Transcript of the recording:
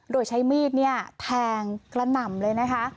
โดยใช้มีดเนี่ยแทงกระหน่ำเลยนะคะ